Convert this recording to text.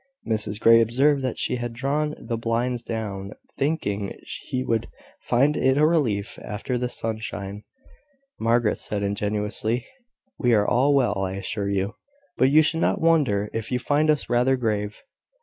Mrs Grey observed that she had drawn the blinds down, thinking he would find it a relief after the sunshine. Margaret said ingenuously "We are all well, I assure you; but you should not wonder if you find us rather grave.